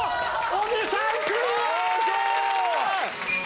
小木さんクリア！